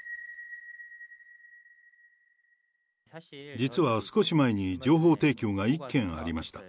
実は、少し前に情報提供が１件ありました。